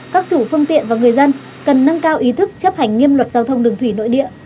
các chủ phương tiện và người dân cần nâng cao ý thức chấp hành nghiêm luật giao thông đường thủy nội địa